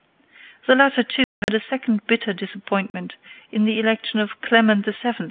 The latter, too, had a second bitter disappointment in the election of Clement VII.